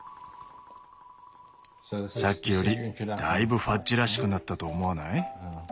さっきよりだいぶファッジらしくなったと思わない？